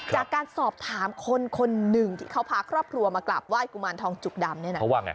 จากการสอบถามคนคนหนึ่งที่เขาพาครอบครัวมากราบไห้กุมารทองจุกดำเนี่ยนะ